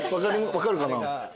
分かるかな？